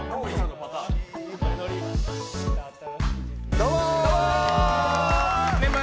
どうもー！